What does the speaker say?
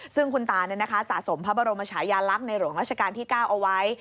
ซึ่งคุณตาสะสมพระบรมชายาลักษณ์ในหลวงราชการที่๙เอาไว้